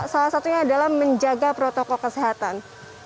salah satunya adalah menjaga protokol kesehatan